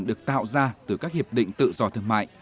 được tạo ra từ các hiệp định tự do thương mại